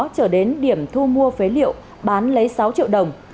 trở đến điểm thu mua phế liệu bán lấy sáu triệu đồng